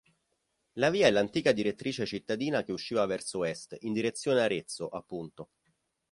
La via è l'antica direttrice cittadina che usciva verso est, in direzione Arezzo, appunto.